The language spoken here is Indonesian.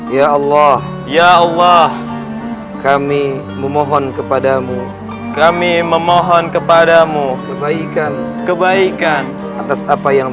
ya allah ya allah kami memohon kepadamu kami memohon kepadamu kebaikan kebaikan atas apa yang